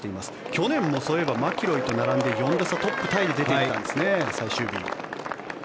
去年もそういえばマキロイと並んで４打差トップタイで出てきたんですね、最終日。